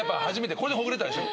これでほぐれたでしょ？